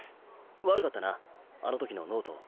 わるかったなあのときのノート。